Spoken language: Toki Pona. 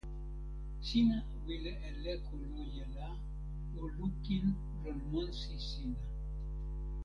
sina wile e leko loje la o lukin lon monsi sina.